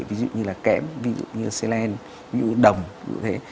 ví dụ như là kẽm ví dụ như là selen ví dụ như là đồng ví dụ như thế